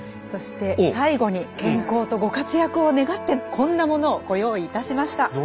そして最後に健康とご活躍を願ってこんなものをご用意いたしました。